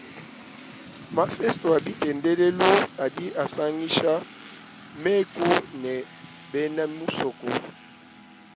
Mafesto a bitendelelu adi asangisha mêku ne bena musoko.